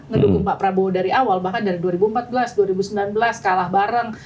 ngedukung pak prabowo dari awal bahkan dari dua ribu empat belas dua ribu sembilan belas kalah bareng